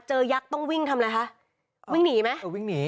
ยักษ์ต้องวิ่งทำอะไรคะวิ่งหนีไหมเออวิ่งหนี